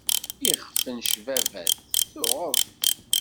Ixef n cbabat tuɣeḍ-t.